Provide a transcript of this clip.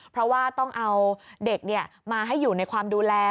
เพราะว่าต้องเอาเด็กมาให้อยู่ในความดูแล